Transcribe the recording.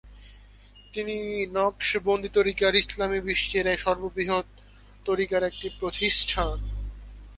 তিনি নকশবন্দি তরিকার, ইসলামি বিশ্বের সর্ববৃহৎ তরিকার একটি, প্রতিষ্ঠাতা।